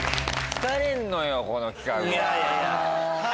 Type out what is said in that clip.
疲れんのよこの企画は。